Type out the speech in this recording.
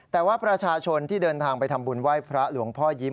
แต่ว่าประชาชนที่เดินทางไปทำบุญไหว้พระหลวงพ่อยิ้ม